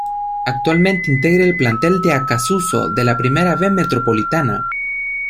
Actualmente integra el plantel del Acassuso, de la Primera B Metropolitana.